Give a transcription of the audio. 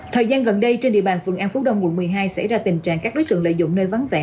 thời gian gần đây trên địa bàn phường an phú đông quận một mươi hai xảy ra tình trạng các đối tượng lợi dụng nơi vắng vẻ